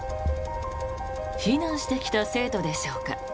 避難してきた生徒でしょうか。